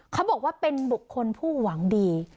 เขาบอกว่าเป็นบุคคลผู้หวังดี